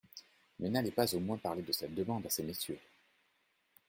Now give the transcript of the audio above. Mais n’allez pas au moins parler de cette demande à ces messieurs.